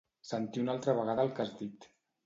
Sentir una altra vegada el que has dit.